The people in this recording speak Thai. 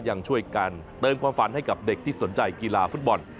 ยังช่วยกันเติมความฝันให้กับเด็กที่สนใจกีฬาฟุตบอล